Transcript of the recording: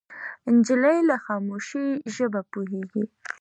نجلۍ له خاموشۍ ژبه پوهېږي.